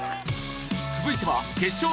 続いては決勝